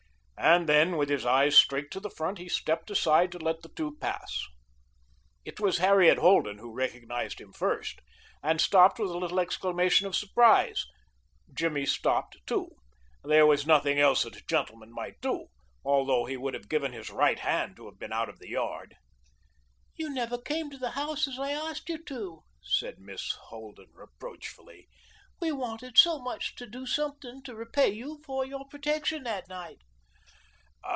And then, with his eyes straight to the front, he stepped aside to let the two pass. It was Harriet Holden who recognized him first, and stopped with a little exclamation of surprise. Jimmy stopped, too. There was nothing else that a gentleman might do, although he would have given his right hand to have been out of the yard. "You never came to the house as I asked you to," said Miss Holden reproachfully. "We wanted so much to do something to repay you for your protection that night."